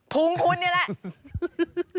ภูมิคุณนี่แหละ